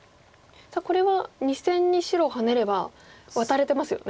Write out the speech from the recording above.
これは２線に白ハネればワタれてますよね。